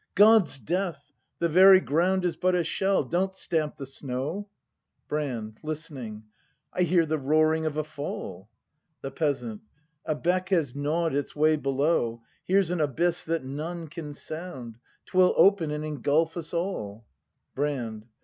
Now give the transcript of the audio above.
God's death—! The very ground Is but a shell! Don't stamp the snow ! Brand. [Listeni7ig .] I hear the roaring of a fall. The Peasant. A beck has gnawed its way below; Here's an abyss that none can sound; 'Twill open and engulf us all! Brand.